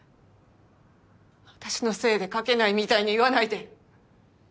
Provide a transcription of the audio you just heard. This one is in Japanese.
私のせいで描けないみたいに言わないで。